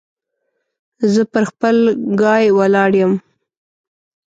زه پر خپل ګای ولاړ يم.